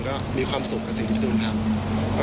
ก็มีความสุขกับสิ่งที่พี่ตูนทำ